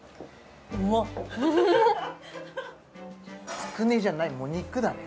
つくねじゃないもう肉だね